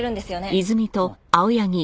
はい。